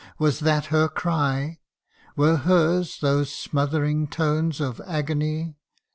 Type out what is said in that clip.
was that her cry ? Were hers those smother'd tones of agony